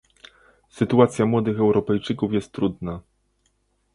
Sytuacja młodych Europejczyków jest trudna